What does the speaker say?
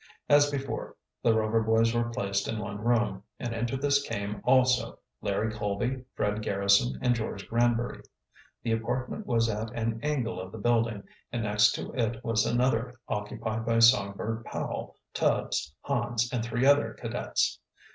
As before, the Rover boys were placed in one room, and into this came also Larry Colby, Fred Garrison, and George Granbury. The apartment was at an angle of the building, and next to it was another occupied by Songbird Powell, Tubbs, Hans, and three other cadets.